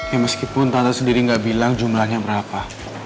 ya meskipun tante sendiri gak bilang jumlahnya berapa